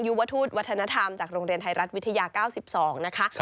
วทูตวัฒนธรรมจากโรงเรียนไทยรัฐวิทยา๙๒นะคะ